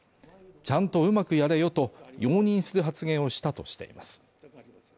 ちゃんとうまくやれよと容認する発言をしたとしています。